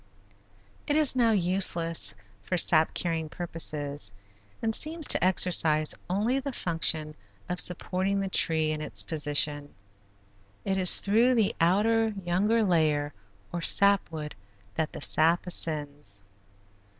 It is now useless for sap carrying purposes and seems to exercise only the function of supporting the tree in its position. It is through the outer, younger layer or sap wood that the sap ascends.